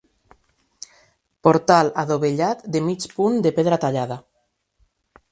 Portal adovellat de mig punt de pedra tallada.